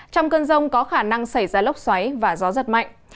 trong cơn rông có khả năng xảy ra lốc xoáy và gió giật mạnh